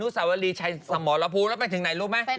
อสวรีชายสมรภูแล้วไปถึงไหนรู้มั้ย